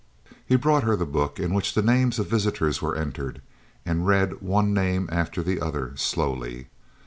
He brought her the book in which the names of visitors were entered, and read one name after the other slowly.